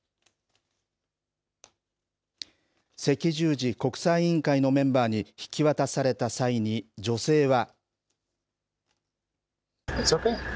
赤十字国際委員会のメンバーに引き渡された際に、女性は。